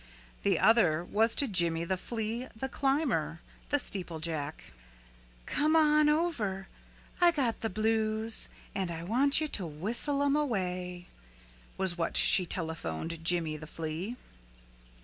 The other was to Jimmy the Flea, the climber, the steeplejack. "Come on over I got the blues and I want you to whistle 'em away," was what she telephoned Jimmy the Flea.